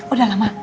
udah lah ma